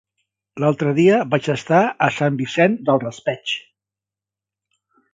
L'altre dia vaig estar a Sant Vicent del Raspeig.